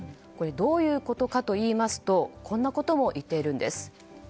どういうことかといいますとこんなことも言っているんです。